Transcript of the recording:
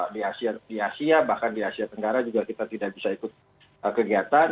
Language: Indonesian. di asia bahkan di asia tenggara juga kita tidak bisa ikut kegiatan